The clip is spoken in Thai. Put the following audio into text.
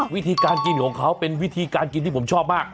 วิธีการกินของเขาเป็นวิธีการกินที่ผมชอบมาก